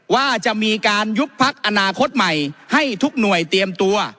ว่าจะมีการยุบพักอนาคตใหม่ให้ทุกหน่วยเตรียมตัว